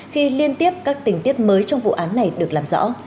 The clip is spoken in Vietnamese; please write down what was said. khi liên tiếp các tình tiết mới trong vụ án này được làm rõ